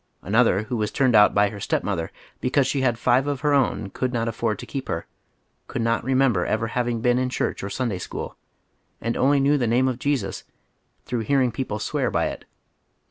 An other, who was turned out by her step mother "because she Iiadfive of her own and could not afford to keep her," could not remember ever having been in ciiurch or Sun day school, and only knew tlie name of Jesus through bearing people swear by it.